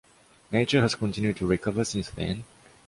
Nature has continued to recover since then.